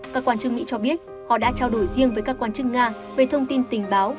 các quan chức mỹ cho biết họ đã trao đổi riêng với các quan chức nga về thông tin tình báo